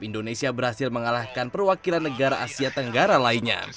indonesia berhasil mengalahkan perwakilan negara asia tenggara lainnya